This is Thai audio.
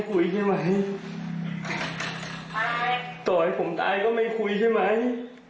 รู้ดีแต่ทำไมคุณต้องทำกับผมด้วยละแล้วคุณทำกับผมทำไม